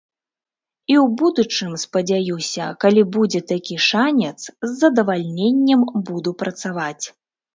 І ў будучым, спадзяюся, калі будзе такі шанец, з задавальненнем буду працаваць.